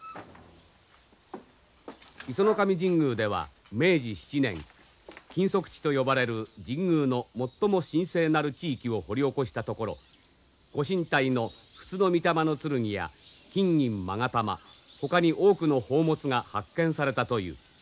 石上神宮では明治７年禁足地と呼ばれる神宮の最も神聖なる地域を掘り起こしたところご神体の布都御魂剣や金銀勾玉ほかに多くの宝物が発見されたという。